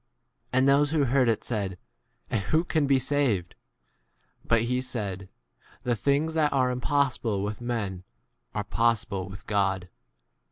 J And those who heard it said, And f who can be saved ? But he said, The things that are impossible with men are possible with God.